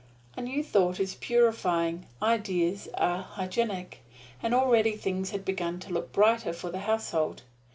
A new thought is purifying, ideas are hygienic; and already things had begun to look brighter for the household.